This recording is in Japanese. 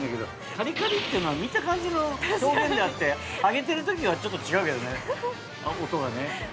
「カリカリ」ってのは見た感じの表現であって揚げてる時はちょっと違うけどね音がね。